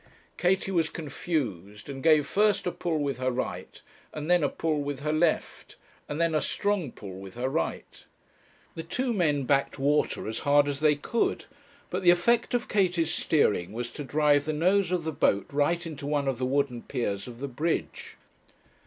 Katie was confused, and gave first a pull with her right, and then a pull with her left, and then a strong pull with her right. The two men backed water as hard as they could, but the effect of Katie's steering was to drive the nose of the boat right into one of the wooden piers of the bridge.